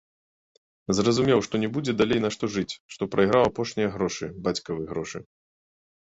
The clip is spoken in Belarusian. Зразумеў, што не будзе далей на што жыць, што прайграў апошнія грошы, бацькавы грошы.